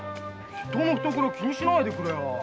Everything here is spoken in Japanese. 人の懐気にしないでくれよ。